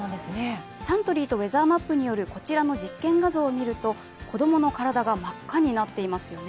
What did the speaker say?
サントリーとウェザーマップによるこちらの実験結果によると子供の体が真っ赤になっていますよね。